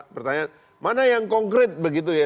pertanyaan mana yang konkret begitu ya